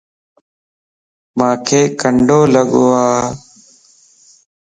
مانک ڪنڊو لڳو اَ